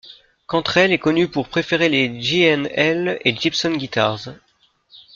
Cantrell est connu pour préférer les G&L et Gibson Guitars.